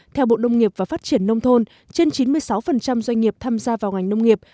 theo bộ nông nghiệp và phát triển nông thôn trên chín mươi sáu doanh nghiệp tham gia vào ngành nông nghiệp